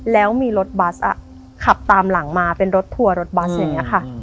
แล้วมีรถบัสขับตามหลังมาเป็นรถทัวร์รถบัสอย่างนี้ค่ะ